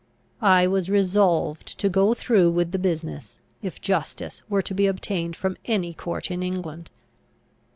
I was resolved to go through with the business, if justice were to be obtained from any court in England.